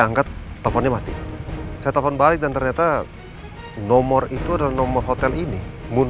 angkat teleponnya mati saya telepon balik dan ternyata nomor itu adalah nomor hotel ini